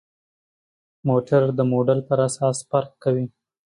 موټر د موډل پر اساس فرق کوي.